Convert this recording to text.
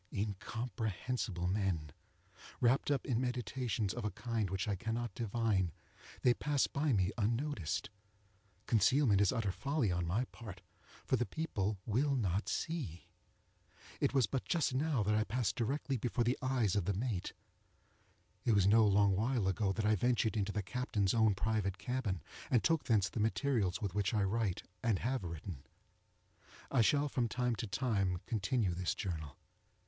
Incomprehensible men! Wrapped up in meditations of a kind which I cannot divine, they pass me by unnoticed. Concealment is utter folly on my part, for the people will not see. It was but just now that I passed directly before the eyes of the mate; it was no long while ago that I ventured into the captain's own private cabin, and took thence the materials with which I write, and have written. I shall from time to time continue this journal.